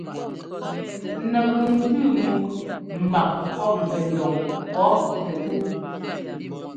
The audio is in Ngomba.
Nɛkʉŋ tʉ́ múk mbap pɔ́p ŋkɛndoŋ pɔ́ tsɛt tú.